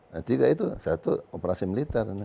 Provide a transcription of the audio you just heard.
nah tiga itu satu operasi militer